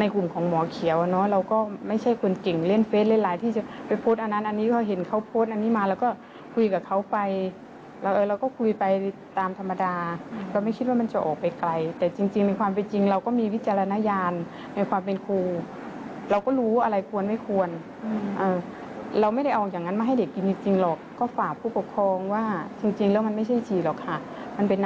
ในกลุ่มของหมอเขียวเนอะเราก็ไม่ใช่คนเก่งเล่นเฟสเล่นไลน์ที่จะไปโพสต์อันนั้นอันนี้ก็เห็นเขาโพสต์อันนี้มาแล้วก็คุยกับเขาไปเราก็คุยไปตามธรรมดาเราก็ไม่คิดว่ามันจะออกไปไกลแต่จริงเป็นความเป็นจริงเราก็มีวิจารณญาณเป็นความเป็นครูเราก็รู้อะไรควรไม่ควรเราไม่ได้เอาอย่างนั้นมาให้เด็กกินจริงหรอกก็